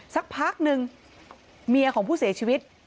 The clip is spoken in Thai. สักพักนึงเมียของผู้เสียชีวิต